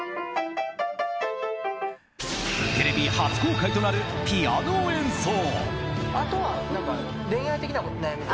テレビ初公開となるピアノ演奏！